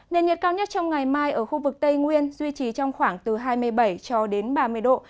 nền nhiệt cao nhất trong ngày mai ở khu vực tây nguyên duy trì trong khoảng từ hai mươi bảy cho đến ba mươi độ